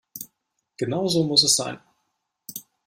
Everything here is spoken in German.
Genau so muss es sein.